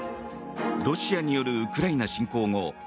ロシアによるウクライナ侵攻後ＮＡＴＯ